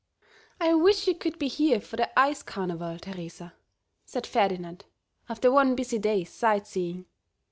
"I wish you could be here for the ice carnival, Teresa," said Ferdinand, after one busy day's sight seeing.